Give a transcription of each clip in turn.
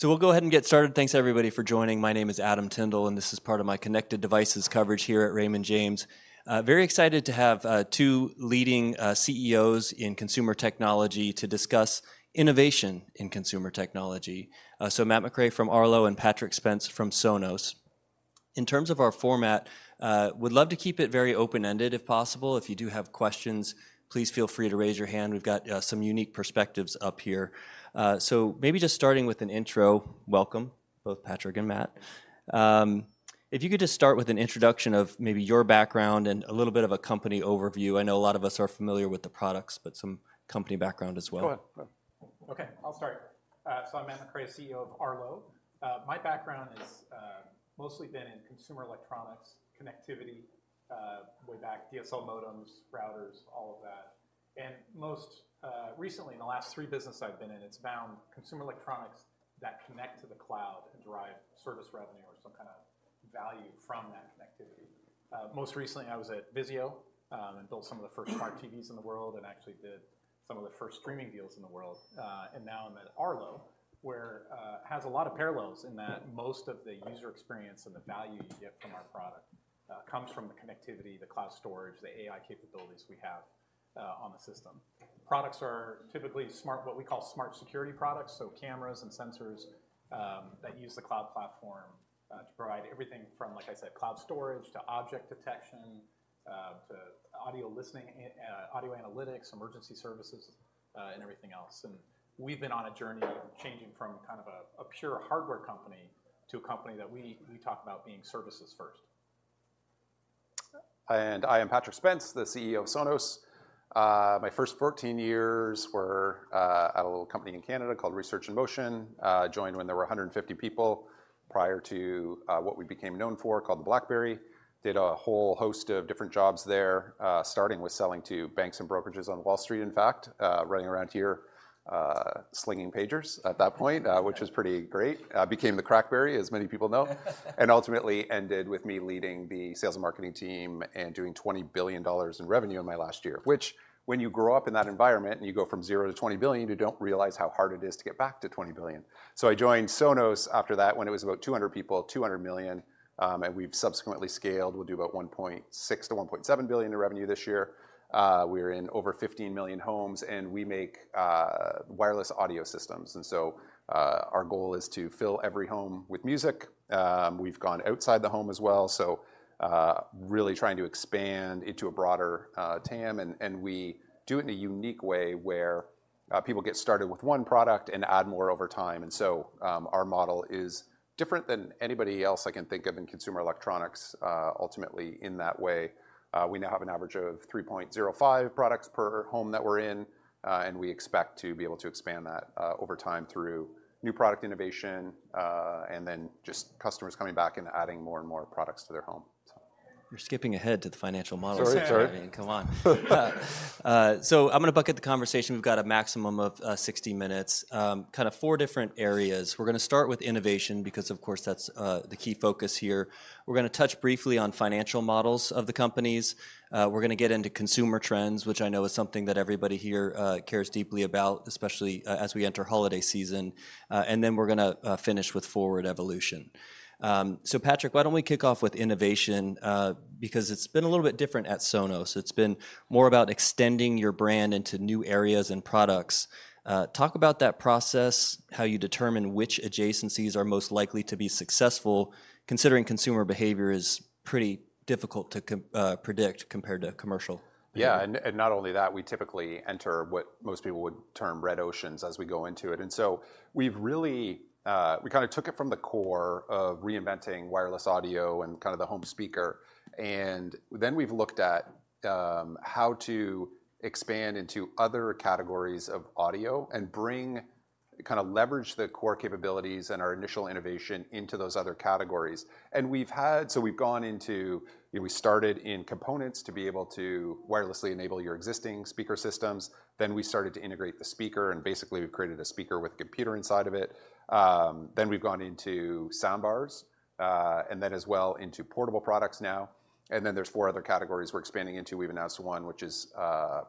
So we'll go ahead and get started. Thanks, everybody, for joining. My name is Adam Twindle, and this is part of my connected devices coverage here at Raymond James. Very excited to have two leading CEOs in consumer technology to discuss innovation in consumer technology. So Matt McRae from Arlo and Patrick Spence from Sonos. In terms of our format, would love to keep it very open-ended, if possible. If you do have questions, please feel free to raise your hand. We've got some unique perspectives up here. So maybe just starting with an intro. Welcome, both Patrick and Matt. If you could just start with an introduction of maybe your background and a little bit of a company overview. I know a lot of us are familiar with the products, but some company background as well. Go ahead. Go ahead. Okay, I'll start. So I'm Matt McRae, CEO of Arlo. My background is mostly been in consumer electronics, connectivity, way back, DSL modems, routers, all of that. And most recently, in the last three business I've been in, it's been on consumer electronics that connect to the cloud and drive service revenue or some kind of value from that connectivity. Most recently, I was at VIZIO, and built some of the first smart TVs in the world and actually did some of the first streaming deals in the world. And now I'm at Arlo, where has a lot of parallels in that most of the user experience and the value you get from our product comes from the connectivity, the cloud storage, the AI capabilities we have on the system. Products are typically smart—what we call smart security products, so cameras and sensors, that use the cloud platform, to provide everything from, like I said, cloud storage to object detection, to audio listening, audio analytics, emergency services, and everything else. And we've been on a journey changing from kind of a pure hardware company to a company that we talk about being services first. I am Patrick Spence, the CEO of Sonos. My first 14 years were at a little company in Canada called Research in Motion. Joined when there were 150 people prior to what we became known for, called the BlackBerry. Did a whole host of different jobs there, starting with selling to banks and brokerages on Wall Street, in fact, running around here, slinging pagers at that point, which was pretty great. Became the CrackBerry, as many people know. And ultimately ended with me leading the sales and marketing team and doing $20 billion in revenue in my last year, which, when you grow up in that environment, and you go from zero to $20 billion, you don't realize how hard it is to get back to $20 billion. So I joined Sonos after that, when it was about 200 people, $200 million, and we've subsequently scaled. We'll do about $1.6 billion-$1.7 billion in revenue this year. We're in over 15 million homes, and we make wireless audio systems, and so our goal is to fill every home with music. We've gone outside the home as well, so really trying to expand into a broader TAM, and we do it in a unique way, where people get started with one product and add more over time. And so our model is different than anybody else I can think of in consumer electronics, ultimately, in that way. We now have an average of 3.05 products per home that we're in, and we expect to be able to expand that, over time through new product innovation, and then just customers coming back and adding more and more products to their home. So... You're skipping ahead to the financial model. Sorry, sorry. I mean, come on. So I'm gonna bucket the conversation. We've got a maximum of 60 minutes. Kind of four different areas. We're gonna start with innovation, because, of course, that's the key focus here. We're gonna touch briefly on financial models of the companies. We're gonna get into consumer trends, which I know is something that everybody here cares deeply about, especially as we enter holiday season. And then we're gonna finish with forward evolution. So Patrick, why don't we kick off with innovation? Because it's been a little bit different at Sonos. It's been more about extending your brand into new areas and products. Talk about that process, how you determine which adjacencies are most likely to be successful, considering consumer behavior is pretty difficult to predict compared to commercial. Yeah, and, and not only that, we typically enter what most people would term red oceans as we go into it. And so we've really, we kind of took it from the core of reinventing wireless audio and kind of the home speaker, and then we've looked at, how to expand into other categories of audio and bring kind of leverage the core capabilities and our initial innovation into those other categories. So we've gone into, you know, we started in components to be able to wirelessly enable your existing speaker systems. Then, we started to integrate the speaker, and basically, we've created a speaker with a computer inside of it. Then, we've gone into soundbars, and then as well into portable products now, and then there's four other categories we're expanding into. We've announced one, which is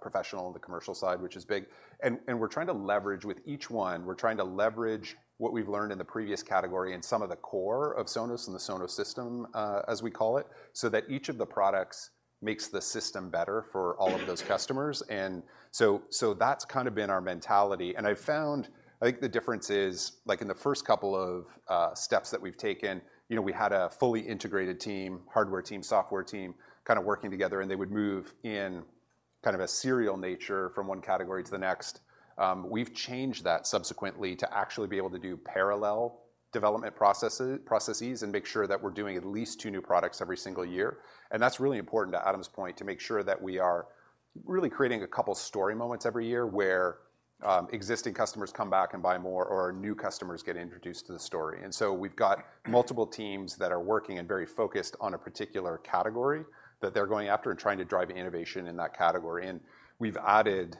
professional, the commercial side, which is big. And we're trying to leverage with each one, we're trying to leverage what we've learned in the previous category and some of the core of Sonos and the Sonos system, as we call it, so that each of the products makes the system better for all of those customers. And so that's kind of been our mentality. And I've found, I think the difference is, like in the first couple of steps that we've taken, you know, we had a fully integrated team, hardware team, software team, kind of working together, and they would move in kind of a serial nature from one category to the next. We've changed that subsequently to actually be able to do parallel development processes and make sure that we're doing at least two new products every single year. That's really important, to Adam's point, to make sure that we are really creating a couple story moments every year, where existing customers come back and buy more, or new customers get introduced to the story. So we've got multiple teams that are working and very focused on a particular category that they're going after and trying to drive innovation in that category. We've added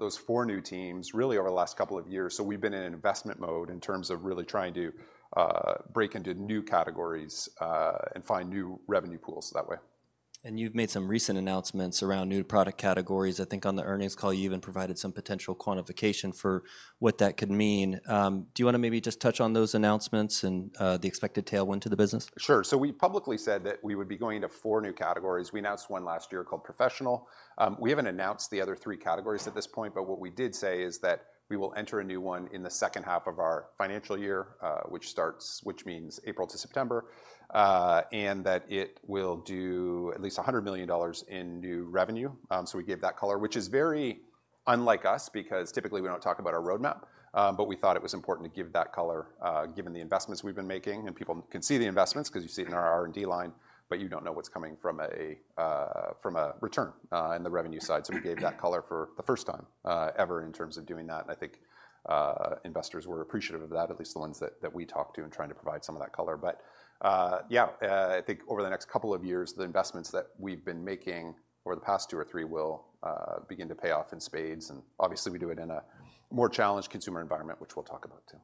those four new teams, really, over the last couple of years, so we've been in an investment mode in terms of really trying to break into new categories and find new revenue pools that way. ... You've made some recent announcements around new product categories. I think on the earnings call, you even provided some potential quantification for what that could mean. Do you wanna maybe just touch on those announcements and the expected tailwind to the business? Sure. So we publicly said that we would be going into four new categories. We announced one last year called Professional. We haven't announced the other three categories at this point, but what we did say is that we will enter a new one in the second half of our financial year, which means April to September, and that it will do at least $100 million in new revenue. So we gave that color, which is very unlike us, because typically, we don't talk about our roadmap. But we thought it was important to give that color, given the investments we've been making, and people can see the investments because you see it in our R&D line, but you don't know what's coming from a, from a return, in the revenue side. So we gave that color for the first time ever in terms of doing that, and I think investors were appreciative of that, at least the ones that we talked to, in trying to provide some of that color. But, yeah, I think over the next couple of years, the investments that we've been making over the past two or three will begin to pay off in spades, and obviously, we do it in a more challenged consumer environment, which we'll talk about too.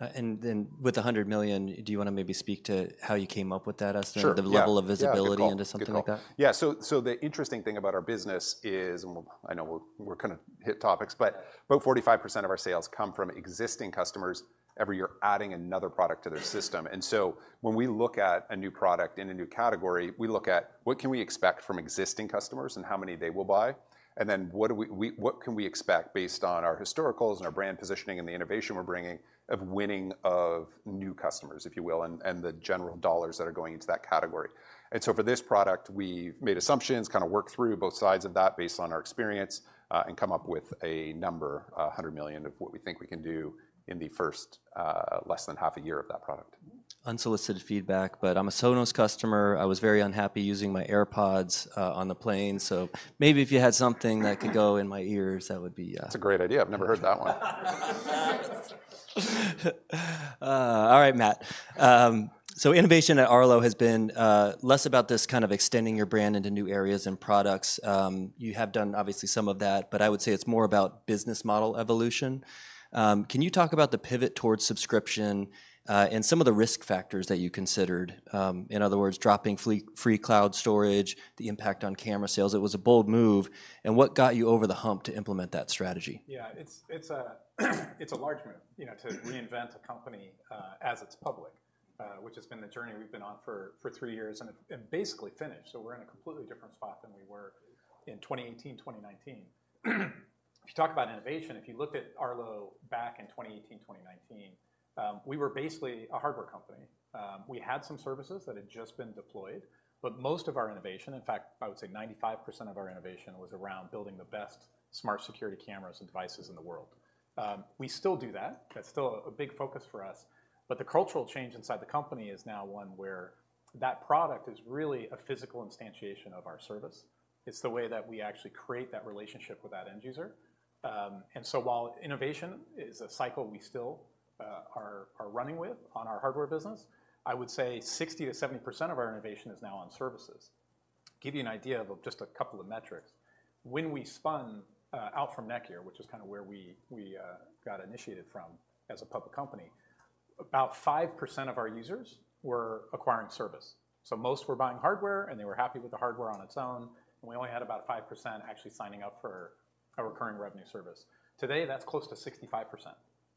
And then with the $100 million, do you wanna maybe speak to how you came up with that as- Sure, yeah the level of visibility into something like that? Good call. Yeah, so the interesting thing about our business is, and we'll—I know we're, we're kinda hit topics, but about 45% of our sales come from existing customers every year, adding another product to their system. And so when we look at a new product in a new category, we look at what can we expect from existing customers and how many they will buy, and then what do we, we—what can we expect based on our historicals and our brand positioning and the innovation we're bringing of winning of new customers, if you will, and the general dollars that are going into that category. For this product, we've made assumptions, kinda worked through both sides of that based on our experience, and come up with a number, $100 million, of what we think we can do in the first, less than half a year of that product. Unsolicited feedback, but I'm a Sonos customer. I was very unhappy using my AirPods on the plane, so maybe if you had something that could go in my ears, that would be, That's a great idea. I've never heard that one. All right, Matt. So innovation at Arlo has been less about this kind of extending your brand into new areas and products. You have done obviously some of that, but I would say it's more about business model evolution. Can you talk about the pivot towards subscription, and some of the risk factors that you considered? In other words, dropping free cloud storage, the impact on camera sales. It was a bold move, and what got you over the hump to implement that strategy? Yeah, it's a large move, you know, to reinvent a company as it's public, which has been the journey we've been on for three years and basically finished. So we're in a completely different spot than we were in 2018, 2019. If you talk about innovation, if you looked at Arlo back in 2018, 2019, we were basically a hardware company. We had some services that had just been deployed, but most of our innovation, in fact, I would say 95% of our innovation was around building the best smart security cameras and devices in the world. We still do that. That's still a big focus for us, but the cultural change inside the company is now one where that product is really a physical instantiation of our service. It's the way that we actually create that relationship with that end user. And so while innovation is a cycle we still are running with on our hardware business, I would say 60%-70% of our innovation is now on services. Give you an idea of just a couple of metrics. When we spun out from NETGEAR, which is kinda where we got initiated from as a public company, about 5% of our users were acquiring service. So most were buying hardware, and they were happy with the hardware on its own, and we only had about 5% actually signing up for a recurring revenue service. Today, that's close to 65%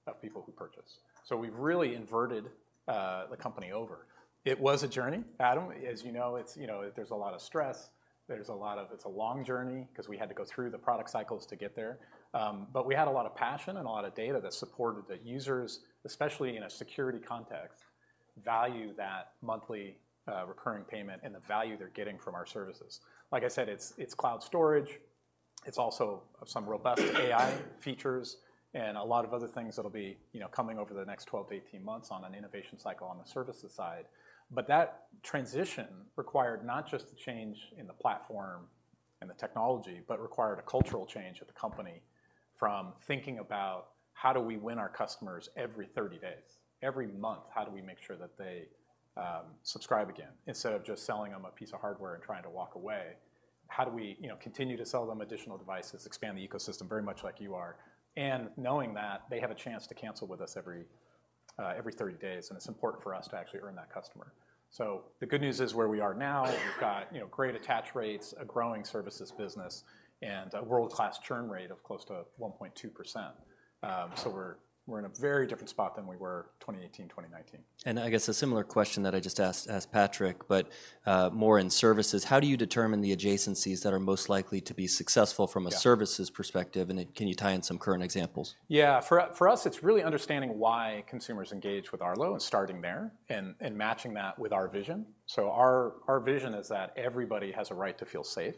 of people who purchase. So we've really inverted the company over. It was a journey, Adam. As you know, it's, you know, there's a lot of stress, there's a lot of... It's a long journey 'cause we had to go through the product cycles to get there. But we had a lot of passion and a lot of data that supported the users, especially in a security context, value that monthly recurring payment and the value they're getting from our services. Like I said, it's, it's cloud storage, it's also some robust AI features and a lot of other things that'll be, you know, coming over the next 12-18 months on an innovation cycle on the services side. But that transition required not just the change in the platform and the technology, but required a cultural change at the company from thinking about: How do we win our customers every 30 days? Every month, how do we make sure that they subscribe again? Instead of just selling them a piece of hardware and trying to walk away, how do we, you know, continue to sell them additional devices, expand the ecosystem very much like you are, and knowing that they have a chance to cancel with us every 30 days, and it's important for us to actually earn that customer. So the good news is, where we are now, we've got, you know, great attach rates, a growing services business, and a world-class churn rate of close to 1.2%. So we're in a very different spot than we were 2018, 2019. I guess a similar question that I just asked Patrick, but more in services: How do you determine the adjacencies that are most likely to be successful from- Yeah a services perspective, and then can you tie in some current examples? Yeah. For us, it's really understanding why consumers engage with Arlo and starting there and matching that with our vision. So our vision is that everybody has a right to feel safe,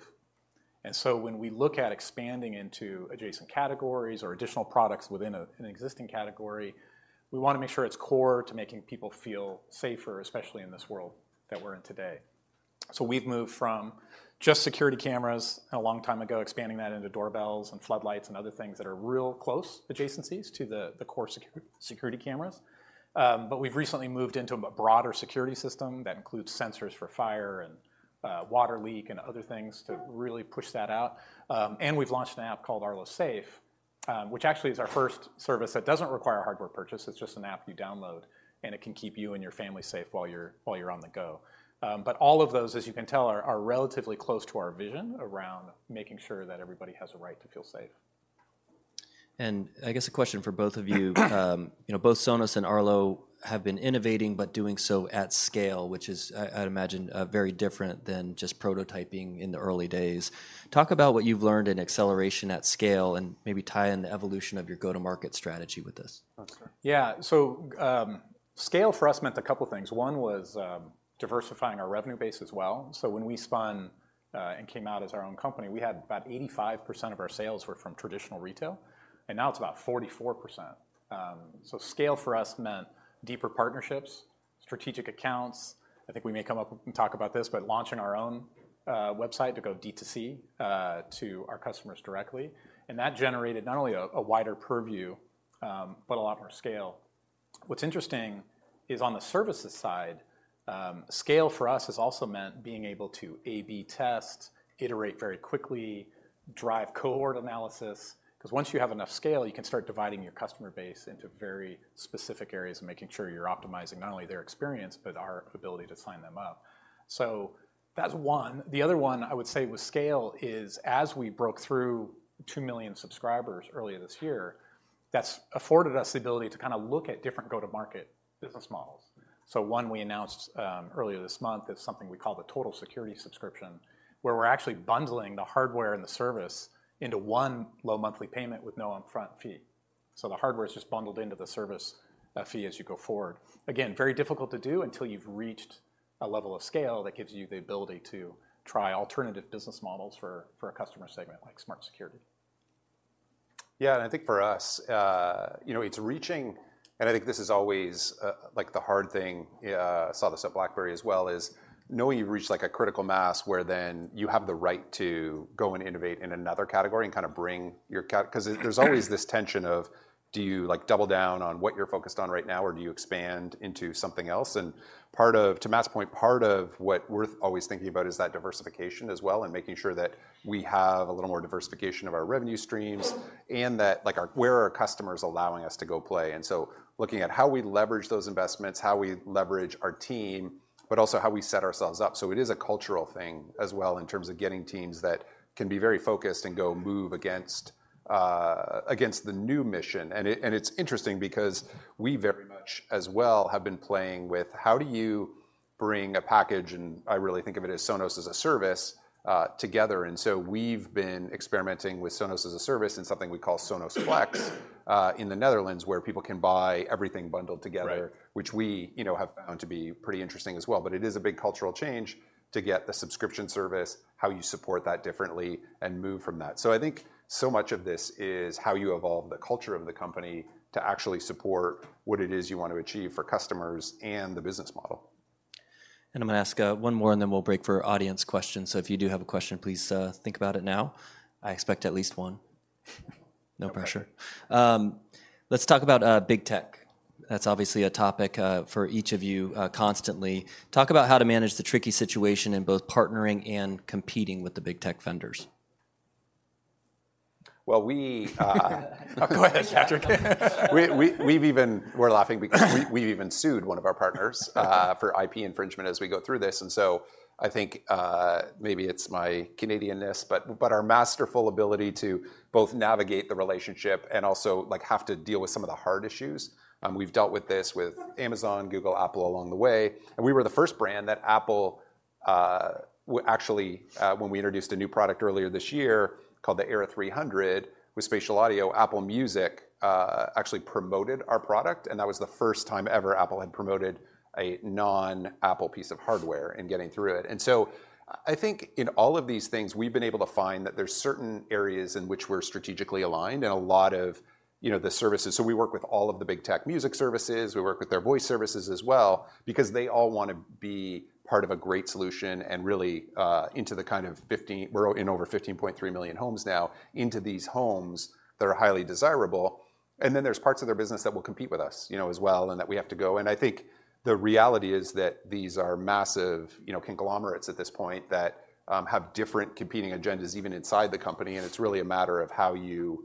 and so when we look at expanding into adjacent categories or additional products within an existing category, we wanna make sure it's core to making people feel safer, especially in this world that we're in today. So we've moved from just security cameras a long time ago, expanding that into doorbells and floodlights and other things that are real close adjacencies to the core security cameras. But we've recently moved into a broader security system that includes sensors for fire and water leak and other things to really push that out. And we've launched an app called Arlo Safe-... Which actually is our first service that doesn't require a hardware purchase. It's just an app you download, and it can keep you and your family safe while you're on the go. But all of those, as you can tell, are relatively close to our vision around making sure that everybody has a right to feel safe. I guess a question for both of you. You know, both Sonos and Arlo have been innovating but doing so at scale, which is, I'd imagine, very different than just prototyping in the early days. Talk about what you've learned in acceleration at scale, and maybe tie in the evolution of your go-to-market strategy with this. Oh, sure. Yeah, so scale for us meant a couple of things. One was diversifying our revenue base as well. So when we spun and came out as our own company, we had about 85% of our sales were from traditional retail, and now it's about 44%. So scale for us meant deeper partnerships, strategic accounts. I think we may come up and talk about this, but launching our own website to go DTC to our customers directly, and that generated not only a wider purview, but a lot more scale. What's interesting is on the services side, scale for us has also meant being able to A/B test, iterate very quickly, drive cohort analysis, 'cause once you have enough scale, you can start dividing your customer base into very specific areas and making sure you're optimizing not only their experience, but our ability to sign them up. So that's one. The other one I would say with scale is, as we broke through 2 million subscribers earlier this year, that's afforded us the ability to kind of look at different go-to-market business models. So one we announced earlier this month is something we call the Total Security subscription, where we're actually bundling the hardware and the service into one low monthly payment with no upfront fee. So the hardware is just bundled into the service fee as you go forward. Again, very difficult to do until you've reached a level of scale that gives you the ability to try alternative business models for a customer segment like smart security. Yeah, and I think for us, you know, it's reaching, and I think this is always, like the hard thing, I saw this at BlackBerry as well, is knowing you've reached like a critical mass, where then you have the right to go and innovate in another category and kind of bring your 'cause there, there's always this tension of, do you like double down on what you're focused on right now, or do you expand into something else? And part of—to Matt's point, part of what we're always thinking about is that diversification as well, and making sure that we have a little more diversification of our revenue streams, and that, like our, where are our customers allowing us to go play? And so looking at how we leverage those investments, how we leverage our team, but also how we set ourselves up. So it is a cultural thing as well in terms of getting teams that can be very focused and go move against against the new mission. And it, and it's interesting because we very much, as well, have been playing with: how do you bring a package, and I really think of it as Sonos as a service, together? And so we've been experimenting with Sonos as a service in something we call Sonos Flex, in the Netherlands, where people can buy everything bundled together- Right... which we, you know, have found to be pretty interesting as well. But it is a big cultural change to get the subscription service, how you support that differently, and move from that. So I think so much of this is how you evolve the culture of the company to actually support what it is you want to achieve for customers and the business model. I'm gonna ask one more, and then we'll break for audience questions. If you do have a question, please think about it now. I expect at least one. No pressure. Let's talk about big tech. That's obviously a topic for each of you constantly. Talk about how to manage the tricky situation in both partnering and competing with the big tech vendors. Well, we... Go ahead, Patrick. We're laughing because we've even sued one of our partners for IP infringement as we go through this. So I think maybe it's my Canadian-ness, but our masterful ability to both navigate the relationship and also, like, have to deal with some of the hard issues. We've dealt with this with Amazon, Google, Apple along the way, and we were the first brand that Apple actually, when we introduced a new product earlier this year called the Era 300, with Spatial Audio, Apple Music actually promoted our product, and that was the first time ever Apple had promoted a non-Apple piece of hardware in getting through it. So I think in all of these things, we've been able to find that there's certain areas in which we're strategically aligned, and a lot of, you know, the services. So we work with all of the big tech music services, we work with their voice services as well, because they all want to be part of a great solution and really into the kind of 15—we're in over 15.3 million homes now, into these homes that are highly desirable, and then there's parts of their business that will compete with us, you know, as well, and that we have to go. I think the reality is that these are massive, you know, conglomerates at this point that, have different competing agendas, even inside the company, and it's really a matter of how you,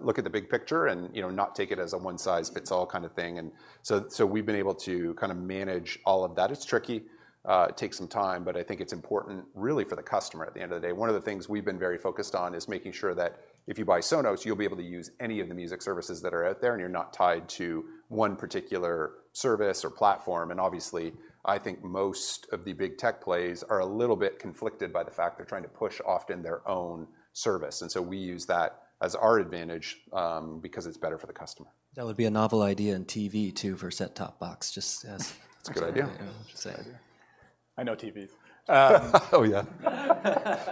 look at the big picture and, you know, not take it as a one-size-fits-all kind of thing. And so we've been able to kind of manage all of that. It's tricky, it takes some time, but I think it's important really for the customer at the end of the day. One of the things we've been very focused on is making sure that if you buy Sonos, you'll be able to use any of the music services that are out there, and you're not tied to one particular service or platform. Obviously, I think most of the big tech plays are a little bit conflicted by the fact they're trying to push often their own service. So we use that as our advantage, because it's better for the customer. That would be a novel idea in TV, too, for set-top box, just as- That's a good idea. Saying. I know TVs. Oh, yeah.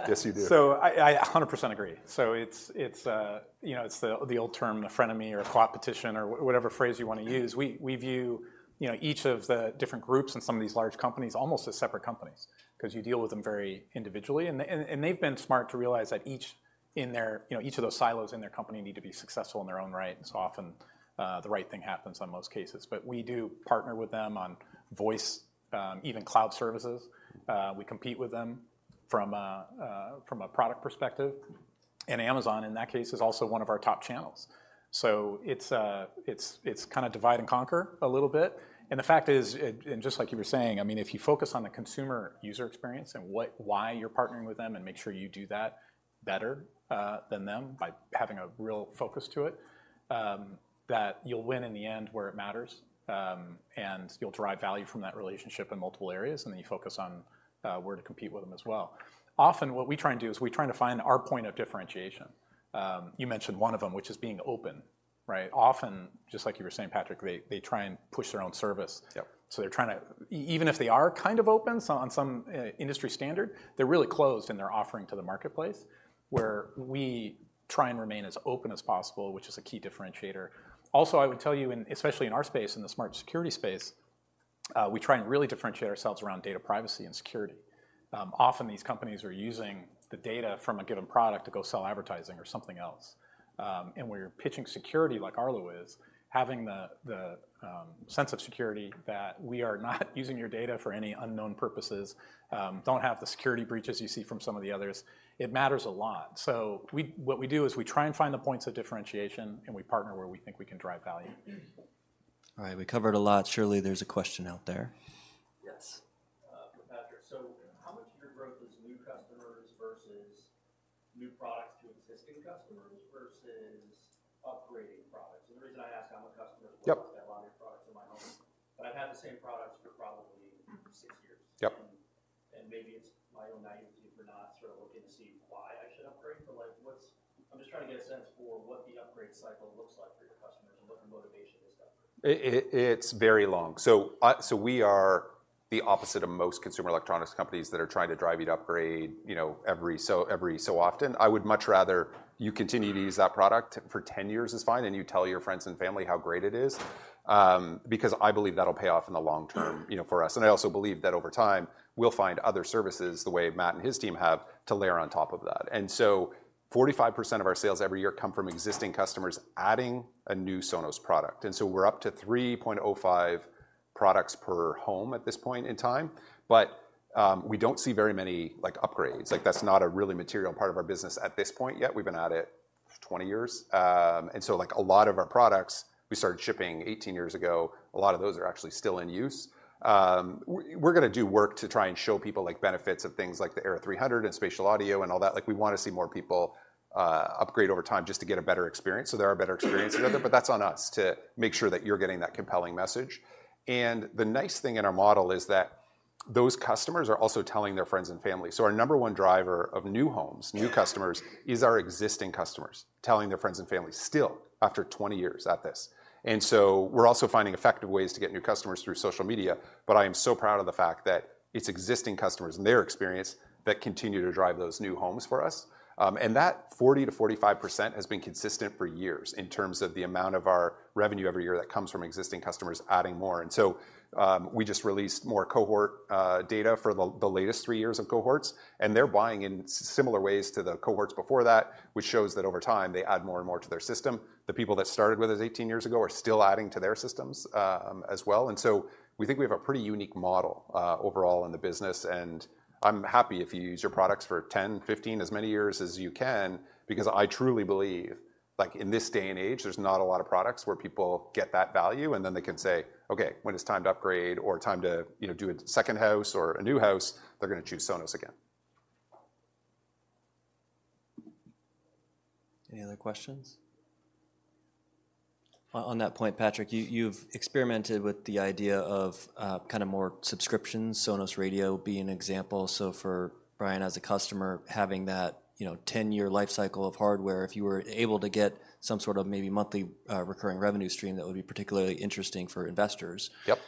Yes, you do. So I 100% agree. So it's, you know, the old term, a frenemy, or a competition, or whatever phrase you wanna use. We view, you know, each of the different groups in some of these large companies, almost as separate companies, 'cause you deal with them very individually, and they've been smart to realize that each in their... You know, each of those silos in their company need to be successful in their own right, and so often, the right thing happens on most cases. But we do partner with them on voice, even cloud services. We compete with them from a product perspective. And Amazon, in that case, is also one of our top channels. So it's kinda divide and conquer a little bit. And the fact is, just like you were saying, I mean, if you focus on the consumer user experience and what, why you're partnering with them, and make sure you do that better than them by having a real focus to it, that you'll win in the end where it matters, and you'll derive value from that relationship in multiple areas, and then you focus on where to compete with them as well. Often, what we try and do is we try to find our point of differentiation. You mentioned one of them, which is being open, right? Often, just like you were saying, Patrick, they try and push their own service. Yep. So they're trying to even if they are kind of open, so on some industry standard, they're really closed in their offering to the marketplace, where we try and remain as open as possible, which is a key differentiator. Also, I would tell you especially in our space, in the smart security space, we try and really differentiate ourselves around data privacy and security. Often these companies are using the data from a given product to go sell advertising or something else. When you're pitching security, like Arlo is, having the sense of security that we are not using your data for any unknown purposes, don't have the security breaches you see from some of the others, it matters a lot. So what we do is we try and find the points of differentiation, and we partner where we think we can drive value. All right, we covered a lot. Surely, there's a question out there. Yes. For Patrick: So how much of your growth is new customers versus new products to existing customers versus upgrading products? And the reason I ask, I'm a customer- Yep... I've got a lot of your products in my home, but I've had the same products for probably six years. Yep. Maybe it's my own naivety for not sort of looking to see why I should upgrade, but, like, what's, I'm just trying to get a sense for what the upgrade cycle looks like for your customers and what the motivation is to upgrade. It's very long. So we are the opposite of most consumer electronics companies that are trying to drive you to upgrade, you know, every so often. I would much rather you continue to use that product for 10 years is fine, and you tell your friends and family how great it is, because I believe that'll pay off in the long term, you know, for us. And I also believe that over time, we'll find other services, the way Matt and his team have, to layer on top of that. And so 45% of our sales every year come from existing customers adding a new Sonos product. And so we're up to 3.05 products per home at this point in time, but we don't see very many, like, upgrades. Like, that's not a really material part of our business at this point yet. We've been at it for 20 years. And so, like, a lot of our products, we started shipping 18 years ago, a lot of those are actually still in use. We're gonna do work to try and show people like benefits of things like the Era 300 and Spatial Audio and all that. Like, we wanna see more people upgrade over time just to get a better experience. So there are better experiences out there, but that's on us to make sure that you're getting that compelling message. And the nice thing in our model is that those customers are also telling their friends and family. So our number one driver of new homes, new customers, is our existing customers telling their friends and family, still, after 20 years at this. So we're also finding effective ways to get new customers through social media, but I am so proud of the fact that it's existing customers and their experience that continue to drive those new homes for us. And that 40%-45% has been consistent for years in terms of the amount of our revenue every year that comes from existing customers adding more. And so we just released more cohort data for the latest 3 years of cohorts, and they're buying in similar ways to the cohorts before that, which shows that over time, they add more and more to their system. The people that started with us 18 years ago are still adding to their systems as well. And so we think we have a pretty unique model, overall in the business, and I'm happy if you use your products for 10, 15, as many years as you can, because I truly believe, like, in this day and age, there's not a lot of products where people get that value, and then they can say, "Okay, when it's time to upgrade or time to, you know, do a second house or a new house, they're gonna choose Sonos again." Any other questions? On that point, Patrick, you, you've experimented with the idea of, kinda more subscriptions, Sonos Radio being an example. So for Brian, as a customer, having that, you know, 10-year life cycle of hardware, if you were able to get some sort of maybe monthly, recurring revenue stream, that would be particularly interesting for investors. Yep.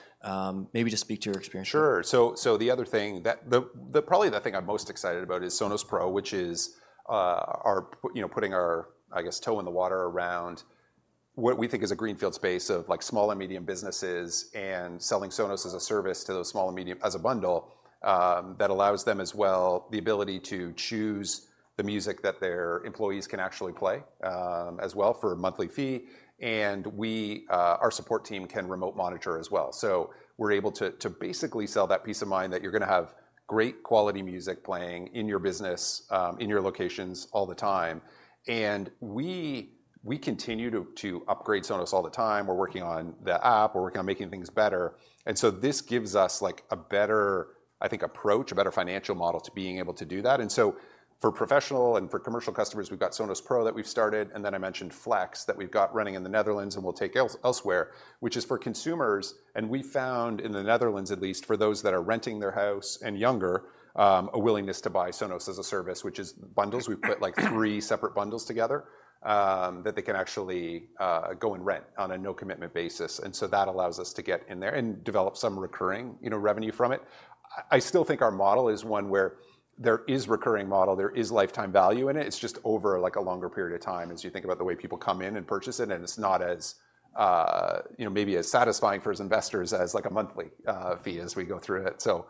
Maybe just speak to your experience. Sure. So, the other thing that the probably the thing I'm most excited about is Sonos Pro, which is our—you know, putting our, I guess, toe in the water around what we think is a greenfield space of like small and medium businesses, and selling Sonos as a service to those small and medium... as a bundle that allows them as well the ability to choose the music that their employees can actually play as well for a monthly fee. And our support team can remote monitor as well. So we're able to basically sell that peace of mind that you're gonna have great quality music playing in your business in your locations all the time. And we continue to upgrade Sonos all the time. We're working on the app, we're working on making things better, and so this gives us like a better, I think, approach, a better financial model to being able to do that. And so for professional and for commercial customers, we've got Sonos Pro that we've started, and then I mentioned Flex, that we've got running in the Netherlands, and we'll take elsewhere, which is for consumers. And we found, in the Netherlands at least, for those that are renting their house and younger, a willingness to buy Sonos as a service, which is bundles. We've put like three separate bundles together, that they can actually go and rent on a no-commitment basis, and so that allows us to get in there and develop some recurring, you know, revenue from it. I still think our model is one where there is recurring model, there is lifetime value in it. It's just over, like, a longer period of time as you think about the way people come in and purchase it, and it's not as, you know, maybe as satisfying for investors as like a monthly fee as we go through it. So,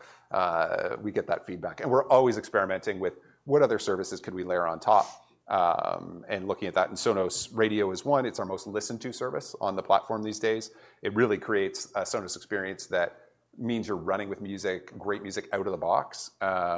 we get that feedback. And we're always experimenting with what other services could we layer on top, and looking at that, and Sonos Radio is one. It's our most listened-to service on the platform these days. It really creates a Sonos experience that means you're running with music, great music out of the box,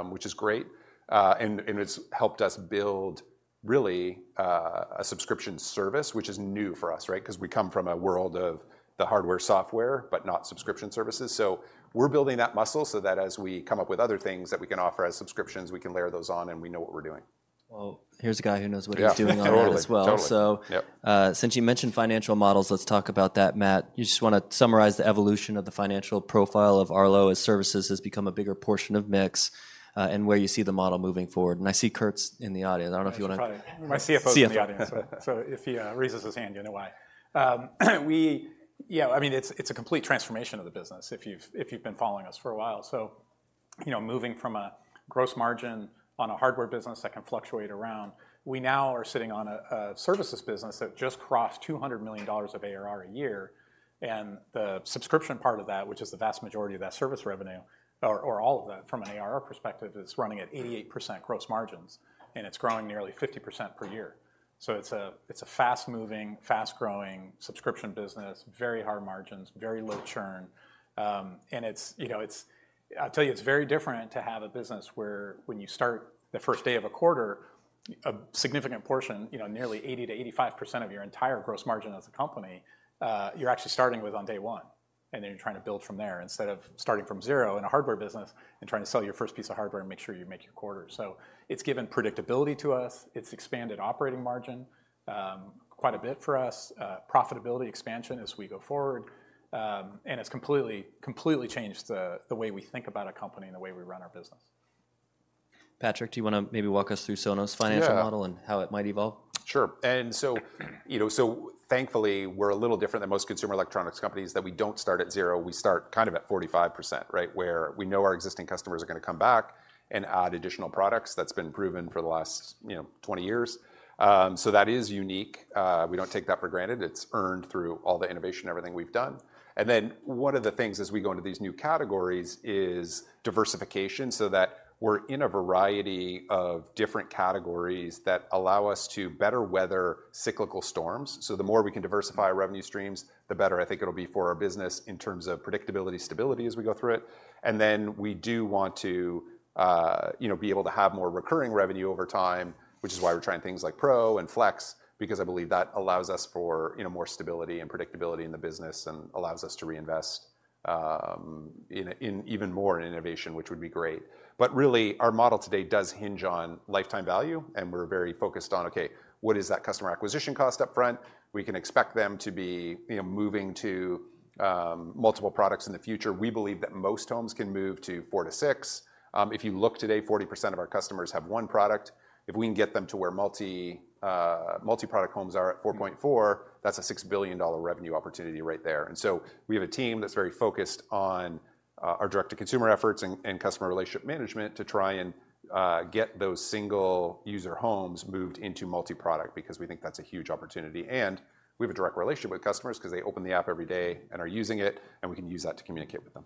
which is great. And it's helped us build really a subscription service, which is new for us, right? 'Cause we come from a world of the hardware, software, but not subscription services. So we're building that muscle so that as we come up with other things that we can offer as subscriptions, we can layer those on, and we know what we're doing. Well, here's a guy who knows what he's doing- Yeah. on that as well. Totally. Yep. Since you mentioned financial models, let's talk about that, Matt. You just wanna summarize the evolution of the financial profile of Arlo as services has become a bigger portion of mix, and where you see the model moving forward. And I see Kurt's in the audience. I don't know if you wanna- My CFO is in the audience. So if he raises his hand, you know why. Yeah, I mean, it's, it's a complete transformation of the business, if you've, if you've been following us for a while. So, you know, moving from a gross margin on a hardware business that can fluctuate around, we now are sitting on a services business that just crossed $200 million of ARR a year, and the subscription part of that, which is the vast majority of that service revenue, or, or all of that from an ARR perspective, is running at 88% gross margins, and it's growing nearly 50% per year. So it's a, it's a fast-moving, fast-growing subscription business, very high margins, very low churn. And it's, you know, it's—I'll tell you, it's very different to have a business where when you start the first day of a quarter, a significant portion, you know, nearly 80%-85% of your entire gross margin as a company, you're actually starting with on day one, and then you're trying to build from there, instead of starting from zero in a hardware business and trying to sell your first piece of hardware and make sure you make your quarter. So it's given predictability to us. It's expanded operating margin quite a bit for us, profitability expansion as we go forward. And it's completely, completely changed the, the way we think about a company and the way we run our business. Patrick, do you wanna maybe walk us through Sonos' financial model? Yeah. And how it might evolve? Sure. And so, you know, so thankfully, we're a little different than most consumer electronics companies, that we don't start at zero, we start kind of at 45%, right? Where we know our existing customers are gonna come back and add additional products that's been proven for the last, you know, 20 years. So that is unique. We don't take that for granted. It's earned through all the innovation, everything we've done. And then one of the things as we go into these new categories is diversification, so that we're in a variety of different categories that allow us to better weather cyclical storms. So the more we can diversify our revenue streams, the better I think it'll be for our business in terms of predictability, stability as we go through it. And then we do want to, you know, be able to have more recurring revenue over time, which is why we're trying things like Pro and Flex, because I believe that allows us for, you know, more stability and predictability in the business and allows us to reinvest in even more in innovation, which would be great. But really, our model today does hinge on lifetime value, and we're very focused on, okay, what is that customer acquisition cost up front? We can expect them to be, you know, moving to multiple products in the future. We believe that most homes can move to four to six. If you look today, 40% of our customers have one product. If we can get them to where multi-product homes are at 4.4, that's a $6 billion revenue opportunity right there. We have a team that's very focused on our direct-to-consumer efforts and customer relationship management to try and get those single-user homes moved into multi-product, because we think that's a huge opportunity, and we have a direct relationship with customers 'cause they open the app every day and are using it, and we can use that to communicate with them.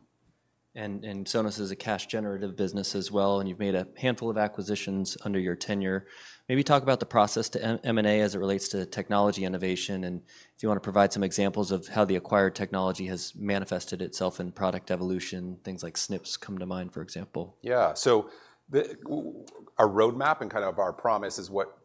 Sonos is a cash-generative business as well, and you've made a handful of acquisitions under your tenure. Maybe talk about the process to M&A as it relates to technology innovation, and if you wanna provide some examples of how the acquired technology has manifested itself in product evolution, things like Snips come to mind, for example. Yeah. So our roadmap and kind of our promise is what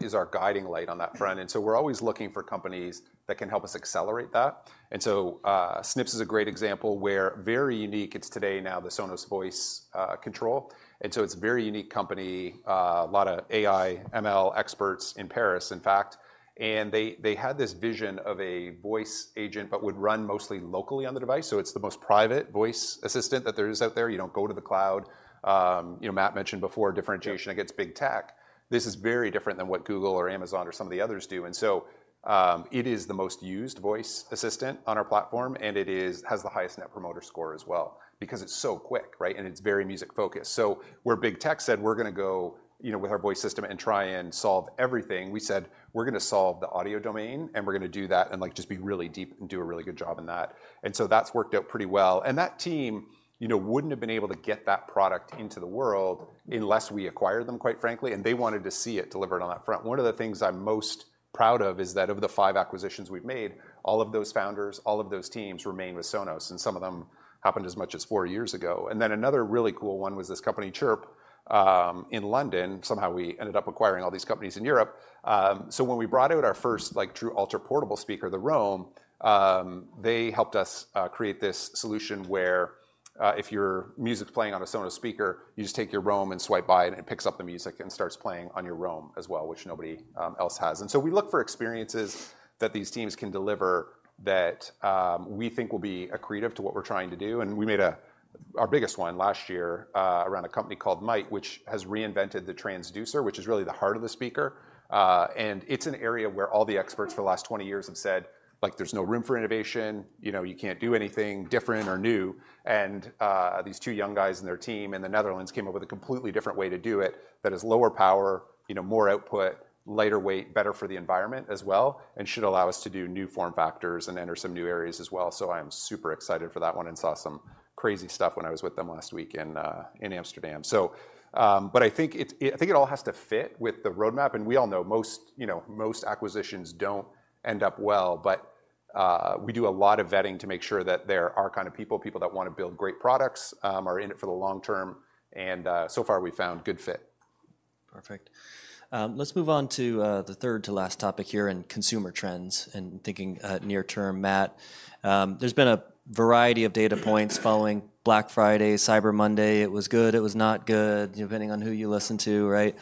is our guiding light on that front, and so we're always looking for companies that can help us accelerate that. And so, Snips is a great example, where very unique, it's today now the Sonos Voice Control. And so it's a very unique company, a lot of AI, ML experts in Paris, in fact, and they, they had this vision of a voice agent, but would run mostly locally on the device, so it's the most private voice assistant that there is out there. You don't go to the cloud. You know, Matt mentioned before, differentiation against big tech. This is very different than what Google or Amazon or some of the others do. And so, it is the most used voice assistant on our platform, and it has the highest Net Promoter Score as well because it's so quick, right? And it's very music-focused. So where big tech said, "We're gonna go, you know, with our voice system and try and solve everything," we said: We're gonna solve the audio domain, and we're gonna do that and, like, just be really deep and do a really good job in that. And so that's worked out pretty well. And that team, you know, wouldn't have been able to get that product into the world unless we acquired them, quite frankly, and they wanted to see it delivered on that front. One of the things I'm most proud of is that of the five acquisitions we've made, all of those founders, all of those teams remain with Sonos, and some of them happened as much as four years ago. And then another really cool one was this company, Chirp, in London. Somehow, we ended up acquiring all these companies in Europe. So when we brought out our first, like, true ultra-portable speaker, the Roam, they helped us create this solution where if your music's playing on a Sonos speaker, you just take your Roam and swipe by it, and it picks up the music and starts playing on your Roam as well, which nobody else has. And so we look for experiences that these teams can deliver that we think will be accretive to what we're trying to do, and we made our biggest one last year around a company called Mayht, which has reinvented the transducer, which is really the heart of the speaker. And it's an area where all the experts for the last 20 years have said, like: "There's no room for innovation, you know, you can't do anything different or new." And these two young guys and their team in the Netherlands came up with a completely different way to do it that is lower power, you know, more output, lighter weight, better for the environment as well, and should allow us to do new form factors and enter some new areas as well. So I'm super excited for that one and saw some crazy stuff when I was with them last week in Amsterdam. But I think it all has to fit with the roadmap, and we all know most, you know, most acquisitions don't end up well, but we do a lot of vetting to make sure that there are kind of people, people that wanna build great products, are in it for the long term, and so far, we've found good fit. Perfect. Let's move on to the third to last topic here in consumer trends and thinking, near term, Matt. There's been a variety of data points following Black Friday, Cyber Monday. It was good, it was not good, depending on who you listen to, right?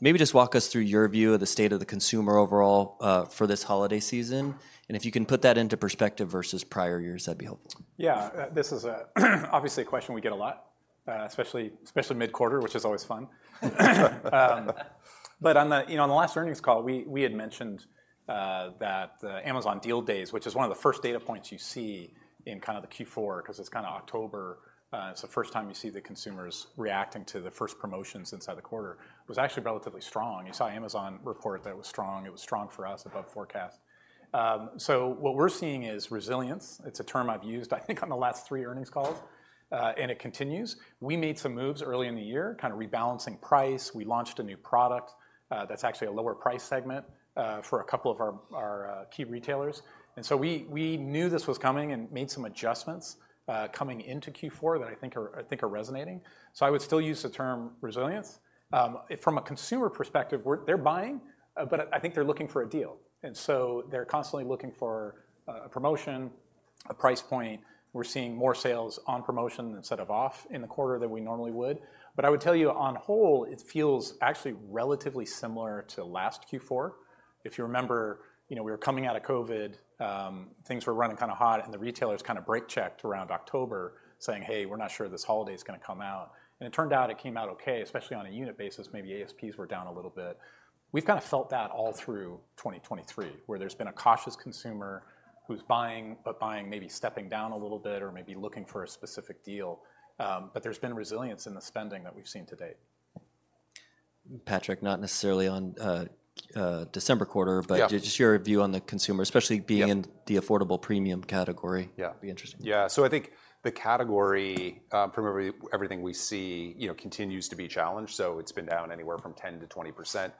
Maybe just walk us through your view of the state of the consumer overall, for this holiday season. And if you can put that into perspective versus prior years, that'd be helpful. Yeah, this is obviously a question we get a lot, especially, especially mid-quarter, which is always fun. But on the, you know, on the last earnings call, we had mentioned that the Amazon Deal Days, which is one of the first data points you see in kinda the Q4, 'cause it's kinda October, it's the first time you see the consumers reacting to the first promotions inside the quarter, was actually relatively strong. You saw Amazon report that it was strong. It was strong for us above forecast. So what we're seeing is resilience. It's a term I've used, I think, on the last three earnings calls, and it continues. We made some moves early in the year, kinda rebalancing price. We launched a new product that's actually a lower price segment for a couple of our key retailers. And so we knew this was coming and made some adjustments coming into Q4 that I think are resonating. So I would still use the term resilience. From a consumer perspective, we're-- they're buying, but I think they're looking for a deal, and so they're constantly looking for a promotion, a price point. We're seeing more sales on promotion instead of off in the quarter than we normally would. But I would tell you, on whole, it feels actually relatively similar to last Q4. If you remember, you know, we were coming out of COVID, things were running kinda hot, and the retailers kinda brake-checked around October, saying: Hey, we're not sure this holiday is gonna come out. It turned out it came out okay, especially on a unit basis, maybe ASPs were down a little bit. We've kinda felt that all through 2023, where there's been a cautious consumer who's buying, but buying, maybe stepping down a little bit or maybe looking for a specific deal. But there's been resilience in the spending that we've seen to date. Patrick, not necessarily on, December quarter- Yeah. but just your view on the consumer, especially Yeah being in the affordable premium category. Yeah. It'd be interesting. Yeah. So I think the category, from everything we see, you know, continues to be challenged, so it's been down anywhere from 10%-20%,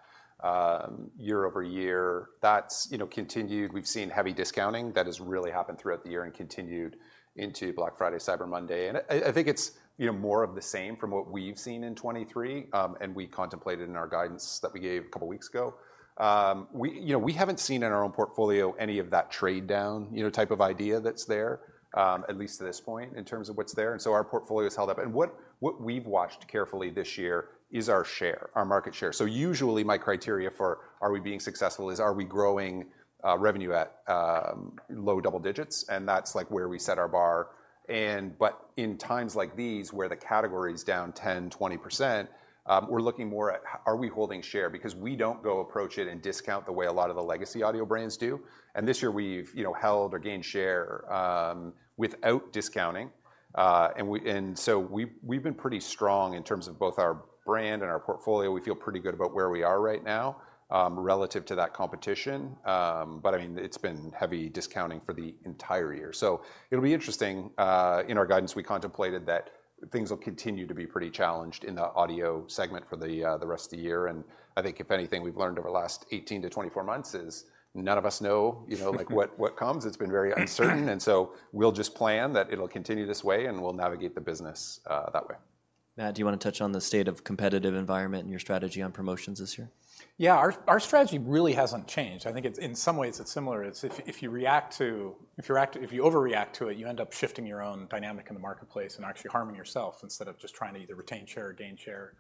year-over-year. That's, you know, continued. We've seen heavy discounting. That has really happened throughout the year and continued into Black Friday, Cyber Monday. And I, I think it's, you know, more of the same from what we've seen in 2023, and we contemplated in our guidance that we gave a couple of weeks ago. We, you know, we haven't seen in our own portfolio any of that trade down, you know, type of idea that's there, at least to this point, in terms of what's there, and so our portfolio has held up. And what, what we've watched carefully this year is our share, our market share. So usually, my criteria for are we being successful is are we growing revenue at low double digits? And that's, like, where we set our bar. But in times like these, where the category is down 10%, 20%, we're looking more at are we holding share? Because we don't go approach it and discount the way a lot of the legacy audio brands do. And this year we've, you know, held or gained share without discounting. And so we've been pretty strong in terms of both our brand and our portfolio. We feel pretty good about where we are right now relative to that competition. But, I mean, it's been heavy discounting for the entire year. So it'll be interesting, in our guidance, we contemplated that things will continue to be pretty challenged in the audio segment for the, the rest of the year. And I think if anything, we've learned over the last 18 to 24 months is none of us know, you know, like, what, what comes. It's been very uncertain, and so we'll just plan that it'll continue this way, and we'll navigate the business, that way. Matt, do you wanna touch on the state of competitive environment and your strategy on promotions this year? Yeah. Our strategy really hasn't changed. I think it's... In some ways, it's similar. It's if you overreact to it, you end up shifting your own dynamic in the marketplace and actually harming yourself instead of just trying to either retain share or gain share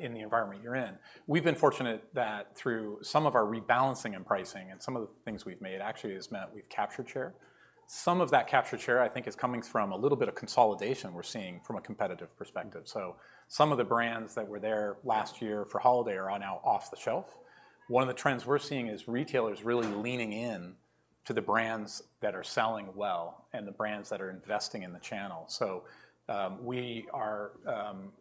in the environment you're in. We've been fortunate that through some of our rebalancing and pricing, and some of the things we've made actually has meant we've captured share. Some of that captured share, I think, is coming from a little bit of consolidation we're seeing from a competitive perspective. So some of the brands that were there last year for holiday are now off the shelf. One of the trends we're seeing is retailers really leaning in to the brands that are selling well and the brands that are investing in the channel. So, we are,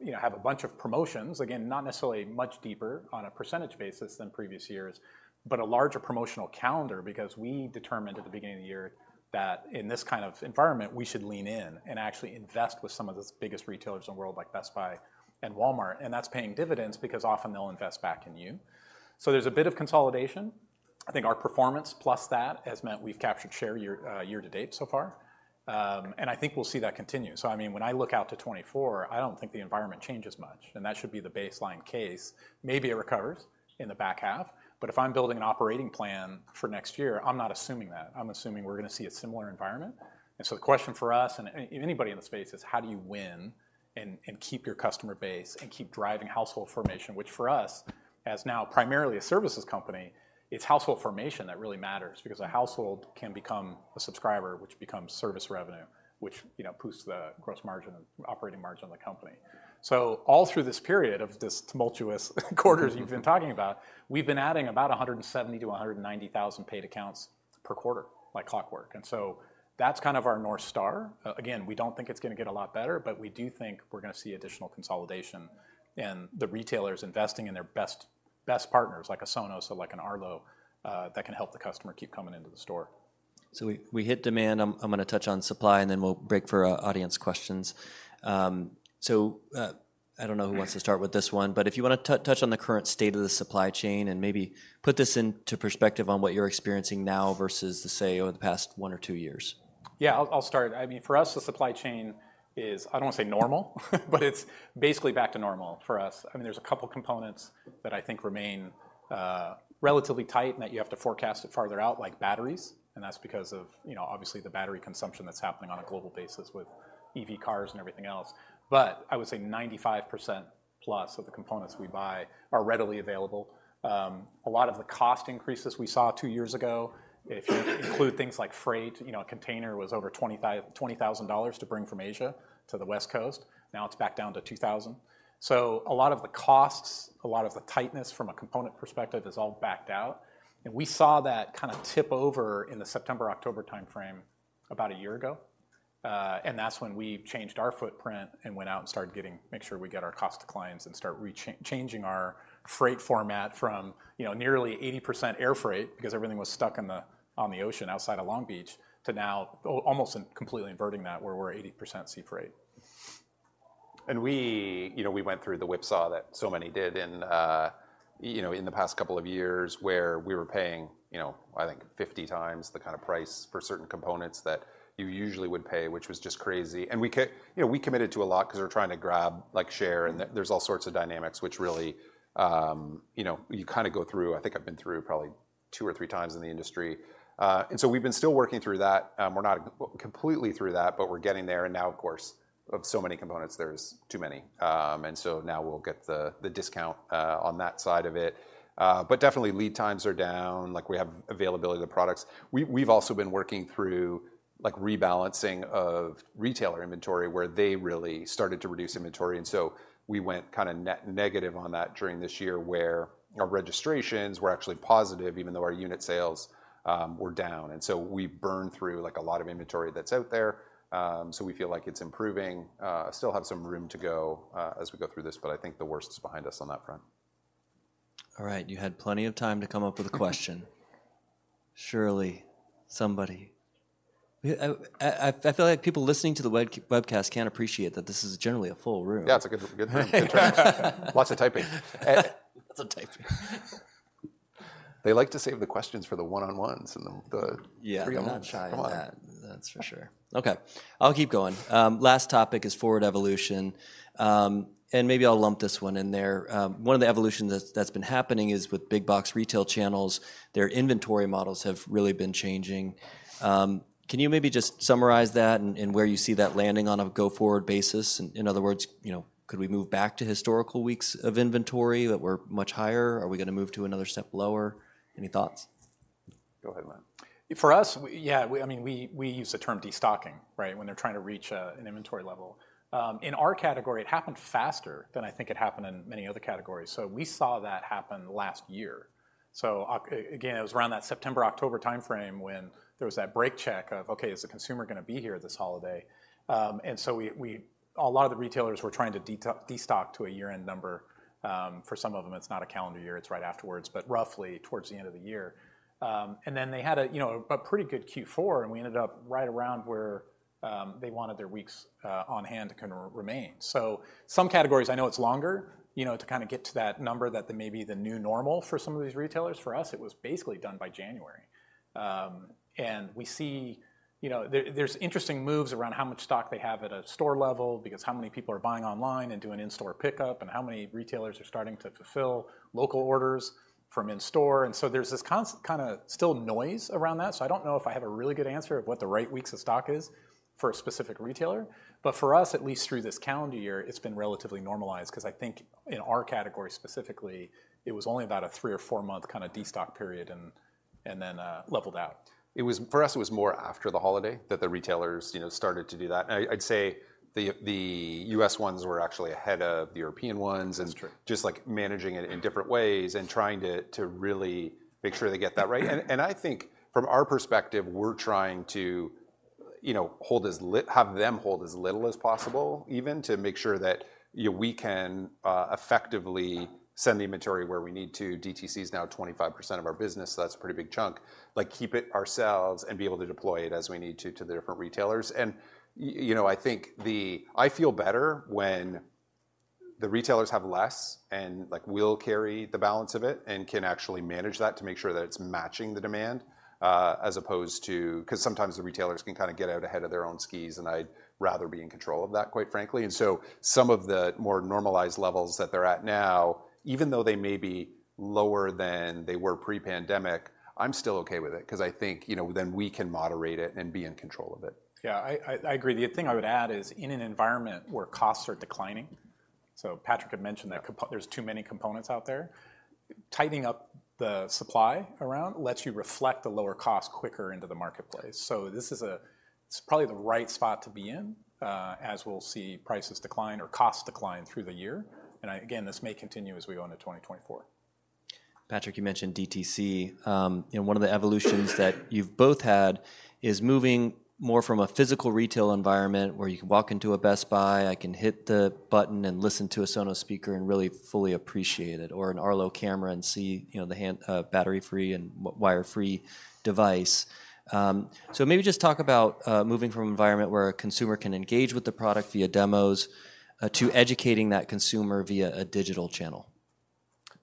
you know, have a bunch of promotions, again, not necessarily much deeper on a percentage basis than previous years, but a larger promotional calendar, because we determined at the beginning of the year that in this kind of environment, we should lean in and actually invest with some of the biggest retailers in the world, like Best Buy and Walmart, and that's paying dividends because often they'll invest back in you. So there's a bit of consolidation. I think our performance plus that has meant we've captured share year-over-year to date so far, and I think we'll see that continue. So I mean, when I look out to 2024, I don't think the environment changes much, and that should be the baseline case. Maybe it recovers in the back half, but if I'm building an operating plan for next year, I'm not assuming that. I'm assuming we're gonna see a similar environment. And so the question for us and anybody in the space is: How do you win and keep your customer base and keep driving household formation? Which for us, as now primarily a services company, it's household formation that really matters because a household can become a subscriber, which becomes service revenue, which, you know, boosts the gross margin and operating margin of the company. So all through this period of this tumultuous quarters you've been talking about, we've been adding about 170,000 to 190,000 paid accounts per quarter, like clockwork, and so that's kind of our North Star. Again, we don't think it's gonna get a lot better, but we do think we're gonna see additional consolidation and the retailers investing in their best, best partners, like a Sonos or like an Arlo, that can help the customer keep coming into the store. ... So we hit demand. I'm gonna touch on supply, and then we'll break for audience questions. So, I don't know who wants to start with this one, but if you wanna touch on the current state of the supply chain and maybe put this into perspective on what you're experiencing now versus, say, over the past one or two years. Yeah, I'll, I'll start. I mean, for us, the supply chain is, I don't wanna say normal, but it's basically back to normal for us. I mean, there's a couple components that I think remain relatively tight and that you have to forecast it farther out, like batteries, and that's because of, you know, obviously, the battery consumption that's happening on a global basis with EV cars and everything else. But I would say 95% plus of the components we buy are readily available. A lot of the cost increases we saw two years ago, if you include things like freight, you know, a container was over $20,000 to bring from Asia to the West Coast, now it's back down to $2,000. So a lot of the costs, a lot of the tightness from a component perspective is all backed out, and we saw that kinda tip over in the September-October timeframe about a year ago. And that's when we changed our footprint and went out and started making sure we get our cost to clients and start changing our freight format from, you know, nearly 80% air freight, because everything was stuck on the, on the ocean outside of Long Beach, to now almost completely inverting that, where we're 80% sea freight. And we, you know, we went through the whipsaw that so many did in, you know, in the past couple of years, where we were paying, you know, I think 50 times the kind of price for certain components that you usually would pay, which was just crazy. And we, you know, we committed to a lot 'cause we're trying to grab, like, share, and there, there's all sorts of dynamics, which really, you know, you kinda go through... I think I've been through probably two or three times in the industry. And so we've been still working through that. We're not completely through that, but we're getting there. And now, of course, of so many components, there's too many. And so now we'll get the, the discount, on that side of it. But definitely lead times are down, like, we have availability of the products. We've also been working through, like, rebalancing of retailer inventory, where they really started to reduce inventory, and so we went kinda negative on that during this year, where our registrations were actually positive, even though our unit sales were down. And so we burned through, like, a lot of inventory that's out there, so we feel like it's improving. Still have some room to go, as we go through this, but I think the worst is behind us on that front. All right. You had plenty of time to come up with a question. Surely, somebody... I feel like people listening to the webcast can't appreciate that this is generally a full room. Yeah, it's a good, a good room. Lots of typing. Lots of typing. They like to save the questions for the one-on-ones and the, yeah, free ones. They're not shy on that, that's for sure. Okay, I'll keep going. Last topic is forward evolution, and maybe I'll lump this one in there. One of the evolution that's been happening is with big box retail channels, their inventory models have really been changing. Can you maybe just summarize that and where you see that landing on a go-forward basis? In other words, you know, could we move back to historical weeks of inventory that were much higher? Are we gonna move to another step lower? Any thoughts? Go ahead, man. For us, I mean, we use the term destocking, right? When they're trying to reach an inventory level. In our category, it happened faster than I think it happened in many other categories. So we saw that happen last year. So again, it was around that September-October timeframe when there was that brake check of, "Okay, is the consumer gonna be here this holiday?" And so a lot of the retailers were trying to destock to a year-end number. For some of them, it's not a calendar year, it's right afterwards, but roughly towards the end of the year. And then they had a, you know, a pretty good Q4, and we ended up right around where they wanted their weeks on hand to kinda remain. So some categories, I know it's longer, you know, to kinda get to that number that maybe the new normal for some of these retailers. For us, it was basically done by January. And we see, you know, there, there's interesting moves around how much stock they have at a store level, because how many people are buying online and doing in-store pickup, and how many retailers are starting to fulfill local orders from in-store, and so there's this kind of still noise around that. So I don't know if I have a really good answer of what the right weeks of stock is for a specific retailer, but for us, at least through this calendar year, it's been relatively normalized. 'Cause I think in our category specifically, it was only about a three- or four-month kinda destock period and, and then, leveled out. It was for us, it was more after the holiday that the retailers, you know, started to do that. I'd say the U.S. ones were actually ahead of the European ones. That's true... just like managing it in different ways and trying to, to really make sure they get that right. And, and I think from our perspective, we're trying to, you know, have them hold as little as possible, even to make sure that, you know, we can effectively send the inventory where we need to. DTC is now 25% of our business, so that's a pretty big chunk. Like, keep it ourselves and be able to deploy it as we need to, to the different retailers. And you know, I think the... I feel better when the retailers have less, and, like, we'll carry the balance of it and can actually manage that to make sure that it's matching the demand, as opposed to... 'Cause sometimes the retailers can kinda get out ahead of their own skis, and I'd rather be in control of that, quite frankly. And so some of the more normalized levels that they're at now, even though they may be lower than they were pre-pandemic, I'm still okay with it, 'cause I think, you know, then we can moderate it and be in control of it. Yeah, I agree. The thing I would add is, in an environment where costs are declining, so Patrick had mentioned that there's too many components out there, tightening up the supply around lets you reflect the lower cost quicker into the marketplace. So this is it's probably the right spot to be in, as we'll see prices decline or costs decline through the year. And again, this may continue as we go into 2024.... Patrick, you mentioned DTC. And one of the evolutions that you've both had is moving more from a physical retail environment, where you can walk into a Best Buy, I can hit the button and listen to a Sonos speaker and really fully appreciate it, or an Arlo camera and see, you know, the hand, battery-free and wire-free device. So maybe just talk about moving from an environment where a consumer can engage with the product via demos to educating that consumer via a digital channel.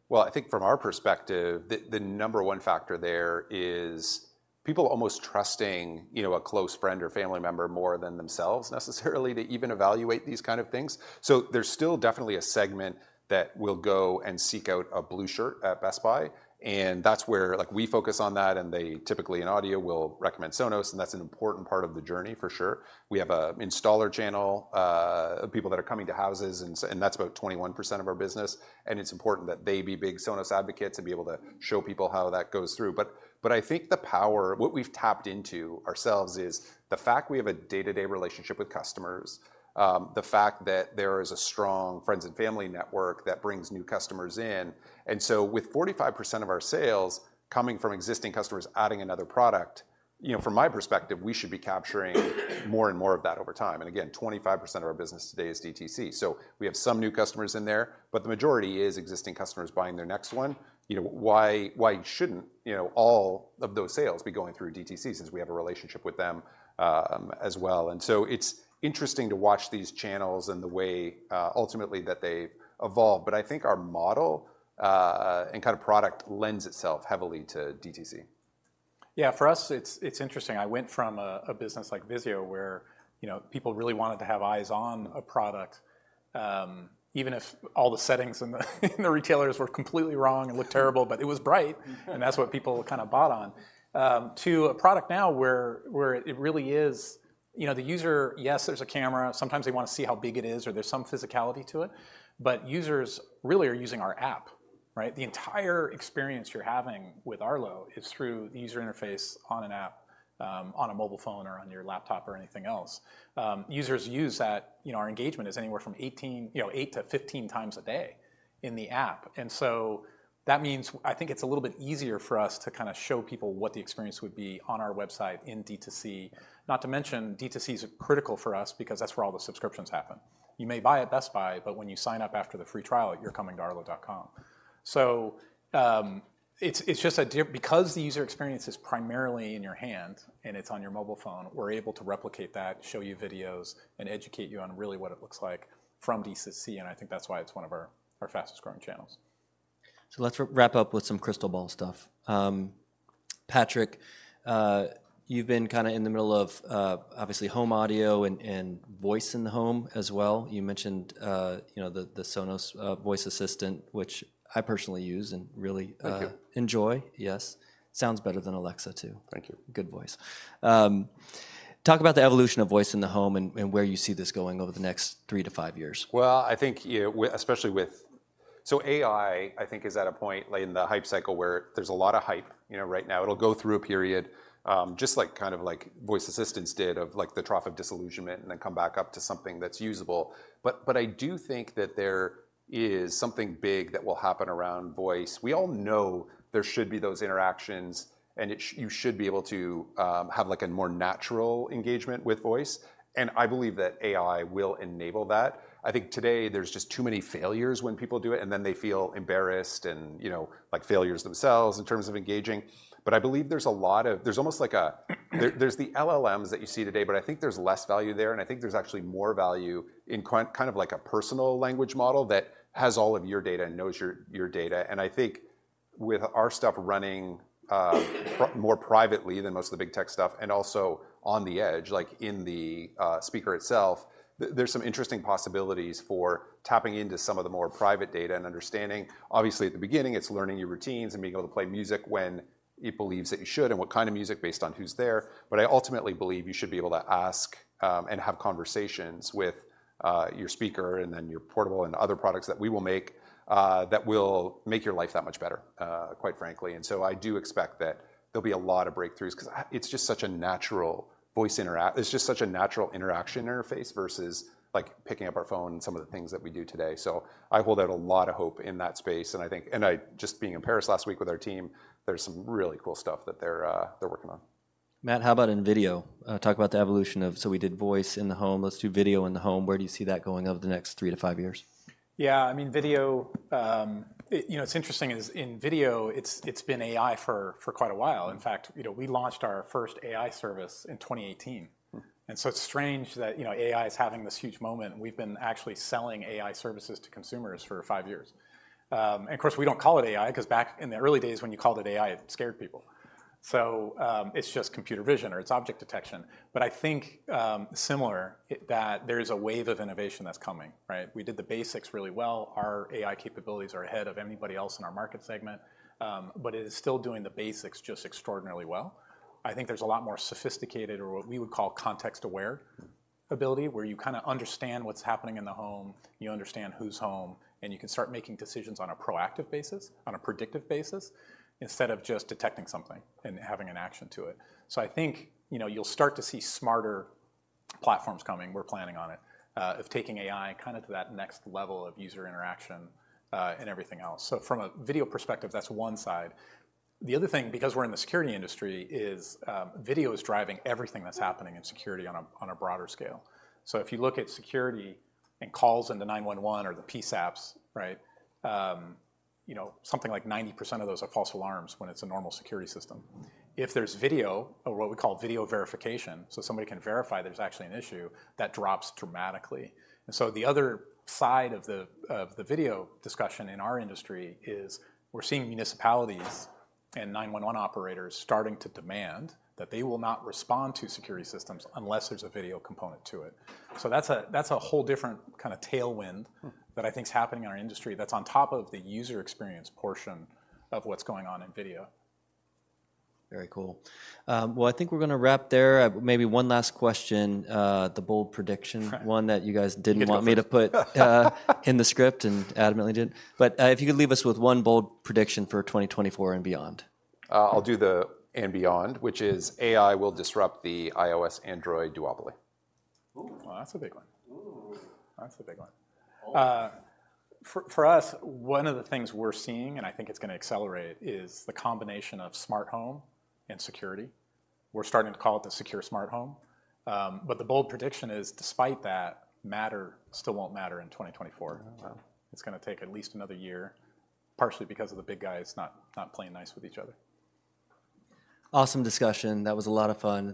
Well, I think from our perspective, the number one factor there is people almost trusting, you know, a close friend or family member more than themselves necessarily, to even evaluate these kind of things. So there's still definitely a segment that will go and seek out a blue shirt at Best Buy, and that's where, like, we focus on that, and they typically, in audio, will recommend Sonos, and that's an important part of the journey for sure. We have an installer channel of people that are coming to houses, and that's about 21% of our business, and it's important that they be big Sonos advocates and be able to show people how that goes through. But I think the power... What we've tapped into ourselves is the fact we have a day-to-day relationship with customers, the fact that there is a strong friends and family network that brings new customers in. And so with 45% of our sales coming from existing customers adding another product, you know, from my perspective, we should be capturing more and more of that over time. And again, 25% of our business today is DTC. So we have some new customers in there, but the majority is existing customers buying their next one. You know, why, why shouldn't, you know, all of those sales be going through DTC since we have a relationship with them, as well? And so it's interesting to watch these channels and the way, ultimately, that they evolve. But I think our model, and kind of product lends itself heavily to DTC. Yeah, for us, it's interesting. I went from a business like VIZIO where, you know, people really wanted to have eyes on a product, even if all the settings and the retailers were completely wrong and looked terrible, but it was bright, and that's what people kind of bought on. To a product now, where it really is... You know, the user, yes, there's a camera. Sometimes they want to see how big it is, or there's some physicality to it, but users really are using our app, right? The entire experience you're having with Arlo is through the user interface on an app, on a mobile phone or on your laptop or anything else. Users use that, you know, our engagement is anywhere from 18, you know, eight to 15 times a day in the app. So that means, I think it's a little bit easier for us to kind of show people what the experience would be on our website in DTC. Not to mention, DTC is critical for us because that's where all the subscriptions happen. You may buy at Best Buy, but when you sign up after the free trial, you're coming to arlo.com. So, it's just because the user experience is primarily in your hand, and it's on your mobile phone, we're able to replicate that, show you videos, and educate you on really what it looks like from DTC, and I think that's why it's one of our fastest growing channels. So let's wrap up with some crystal ball stuff. Patrick, you've been kind of in the middle of, obviously, home audio and, and voice in the home as well. You mentioned, you know, the, the Sonos voice assistant, which I personally use and really, Thank you. -enjoy. Yes. Sounds better than Alexa, too. Thank you. Good voice. Talk about the evolution of voice in the home and where you see this going over the next three to five years. Well, I think, yeah, especially with... So AI, I think, is at a point late in the hype cycle where there's a lot of hype, you know, right now. It'll go through a period, just like kind of like voice assistants did of, like, the trough of disillusionment, and then come back up to something that's usable. But I do think that there is something big that will happen around voice. We all know there should be those interactions, and you should be able to have, like, a more natural engagement with voice, and I believe that AI will enable that. I think today there's just too many failures when people do it, and then they feel embarrassed and, you know, like failures themselves in terms of engaging. But I believe there's almost like a... There, there's the LLMs that you see today, but I think there's less value there, and I think there's actually more value in kind of like a personal language model that has all of your data and knows your, your data. And I think with our stuff running more privately than most of the big tech stuff and also on the edge, like in the speaker itself, there's some interesting possibilities for tapping into some of the more private data and understanding. Obviously, at the beginning, it's learning your routines and being able to play music when it believes that you should and what kind of music based on who's there. But I ultimately believe you should be able to ask and have conversations with your speaker and then your portable and other products that we will make that will make your life that much better, quite frankly. So I do expect that there'll be a lot of breakthroughs 'cause it's just such a natural interaction interface versus, like, picking up our phone and some of the things that we do today. So I hold out a lot of hope in that space, and I think... I just being in Paris last week with our team, there's some really cool stuff that they're working on. Matt, how about in video? Talk about the evolution of... So we did voice in the home, let's do video in the home. Where do you see that going over the next three to five years? Yeah, I mean, video, you know, what's interesting is, in video, it's been AI for quite a while. In fact, you know, we launched our first AI service in 2018. Mm. So it's strange that, you know, AI is having this huge moment, and we've been actually selling AI services to consumers for five years. And of course, we don't call it AI, 'cause back in the early days, when you called it AI, it scared people. So, it's just computer vision, or it's object detection. But I think that there is a wave of innovation that's coming, right? We did the basics really well. Our AI capabilities are ahead of anybody else in our market segment, but it is still doing the basics just extraordinarily well. I think there's a lot more sophisticated or what we would call context-aware ability, where you kind of understand what's happening in the home, you understand who's home, and you can start making decisions on a proactive basis, on a predictive basis, instead of just detecting something and having an action to it. So I think, you know, you'll start to see smarter platforms coming. We're planning on it, of taking AI kind of to that next level of user interaction, and everything else. So from a video perspective, that's one side. The other thing, because we're in the security industry, is, video is driving everything that's happening in security on a broader scale. So if you look at security and calls into 911 or the PSAPs, right? You know, something like 90% of those are false alarms when it's a normal security system. If there's video or what we call video verification, so somebody can verify there's actually an issue, that drops dramatically. So the other side of the video discussion in our industry is we're seeing municipalities and 911 operators starting to demand that they will not respond to security systems unless there's a video component to it. So that's a whole different kind of tailwind- Hmm ...that I think is happening in our industry, that's on top of the user experience portion of what's going on in video. Very cool. Well, I think we're gonna wrap there. Maybe one last question, the bold prediction- Right... one that you guys didn't- You go first.... want me to put, in the script and adamantly didn't. But, if you could leave us with one bold prediction for 2024 and beyond? I'll do the and beyond, which is: AI will disrupt the iOS, Android duopoly. Ooh! Well, that's a big one. Ooh. That's a big one. Oh. For us, one of the things we're seeing, and I think it's gonna accelerate, is the combination of smart home and security. We're starting to call it the secure smart home. But the bold prediction is, despite that, Matter still won't matter in 2024. Oh, wow. It's gonna take at least another year, partially because of the big guys not playing nice with each other. Awesome discussion. That was a lot of fun.